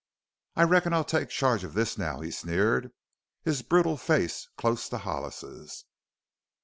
"I reckon I'll take charge of this now!" he sneered, his brutal face close to Hollis's.